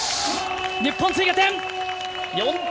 日本、追加点！